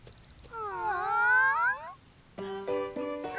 うん。